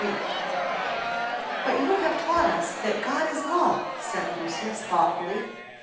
"But you have taught us that GOD IS LOVE," said Lucius, thoughtfully.